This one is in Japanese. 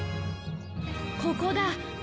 ここだ